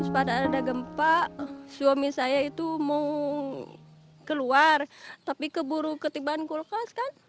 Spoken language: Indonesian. pada ada gempa suami saya itu mau keluar tapi keburu ketibaan kulkas kan